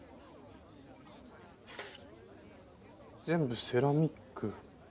全部セラミック。